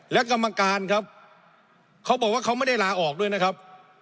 และกรรมการครับเขาบอกว่าเขาไม่ได้ลาออกด้วยนะครับ